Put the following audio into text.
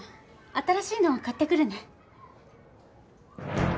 新しいの買ってくるね。